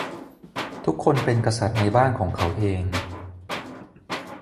ทุกคนเป็นกษัตริย์ในบ้านของเขาเอง